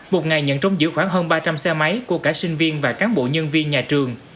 một ngày nhận trông giữ khoảng hơn ba trăm linh xe máy của cả sinh viên và cán bộ nhân viên nhà trường